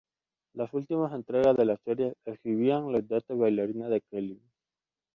Las últimas entregas de la serie exhibían las dotes bailarinas de Kelly.